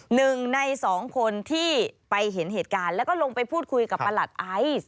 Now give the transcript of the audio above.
หนึ่งในสองคนที่ไปเห็นเหตุการณ์แล้วก็ลงไปพูดคุยกับประหลัดไอซ์